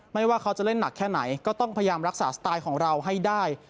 ไม่ว่าเขาจะเล่นหนักแค่ไหนก็ต้องพยายามรักษาสไตล์ของเราให้ได้